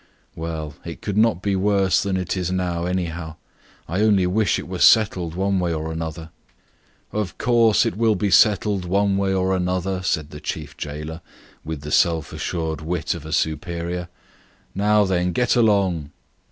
"Well, it could not be worse than it is now, anyhow; I only wish it was settled one way or another." "Of course, it will be settled one way or another," said the jailer, with a superior's self assured witticism. "Now, then, get along!